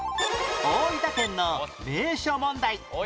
大分県の名所問題